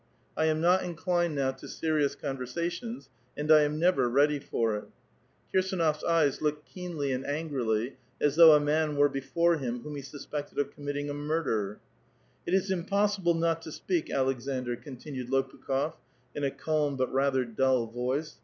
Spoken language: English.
I am not inclined now to 8^i*ious conversations, and I am never ready for it." Kir s^Oofs eyes looked keenly and angrily, as though a nia iii were before him whom he suspected of committing a ^lix der. *"*^ It is impossible not to speak, Aleksandr," continued ^I>ukh6f, in a calm, but rather dull voice.